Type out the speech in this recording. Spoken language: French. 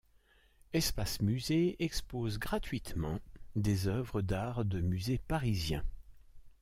Espace Musée expose gratuitement des œuvres d’arts de musées parisiens.